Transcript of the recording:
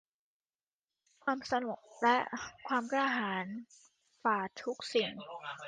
ความสงบและความกล้าหาญฝ่าทุกสิ่ง